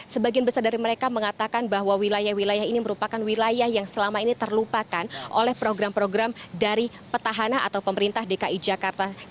sebagian besar dari mereka mengatakan bahwa wilayah wilayah ini merupakan wilayah yang selama ini terlupakan oleh program program dari petahana atau pemerintah dki jakarta